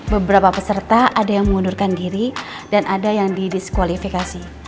beberapa peserta ada yang mengundurkan diri dan ada yang didiskualifikasi